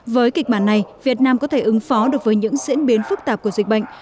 với kịch bản này việt nam có thể ứng phó được với những diễn biến phức tạp của dịch bệnh